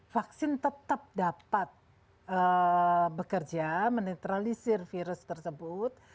vaksin tetap dapat bekerja menetralisir virus tersebut